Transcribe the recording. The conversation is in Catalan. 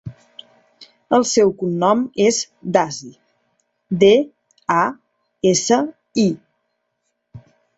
El seu cognom és Dasi: de, a, essa, i.